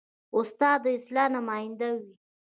استاد د اصلاح نماینده وي.